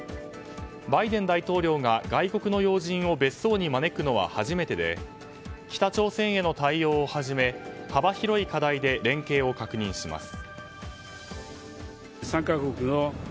バイデン大統領が外国の要人を別荘に招くのは初めてで北朝鮮への対応をはじめ幅広い課題で連携を確認します。